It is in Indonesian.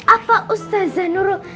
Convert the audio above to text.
apa ustazah nurul